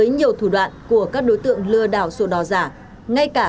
ngay cả các đối tượng lừa đảo sổ đỏ giả